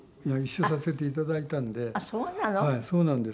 はいそうなんです。